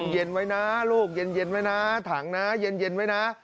เย็นไว้นะลูกเย็นไว้นะถังนะเย็นไว้นะ